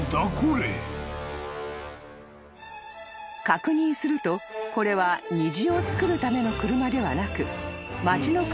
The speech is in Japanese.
［確認するとこれは虹をつくるための車ではなく町の］